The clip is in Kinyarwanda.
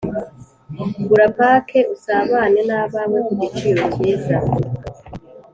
gura pake usabane nabawe ku giciro kiza